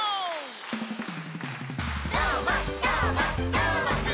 「どーもどーもどーもくん！」